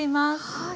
はい。